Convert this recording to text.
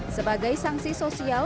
sebagai sanksi sosial